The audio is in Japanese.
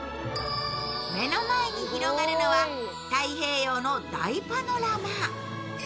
目の前に広がるのは太平洋の大パノラマ。